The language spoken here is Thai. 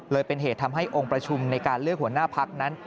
เป็นเหตุทำให้องค์ประชุมในการเลือกหัวหน้าพักนั้น